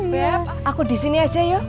beb aku disini aja yuk